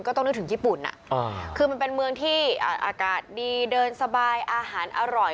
ต้องนึกถึงญี่ปุ่นคือมันเป็นเมืองที่อากาศดีเดินสบายอาหารอร่อย